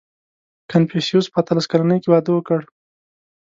• کنفوسیوس په اتلس کلنۍ کې واده وکړ.